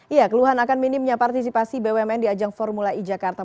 iya keluhan akan minimnya partisipasi bumn di ajang formula e jakarta